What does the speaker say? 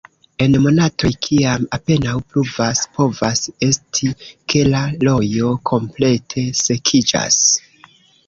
En monatoj, kiam apenaŭ pluvas, povas esti ke la rojo komplete sekiĝas.